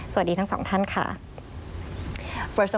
สวัสดีทั้งสองท่านค่ะ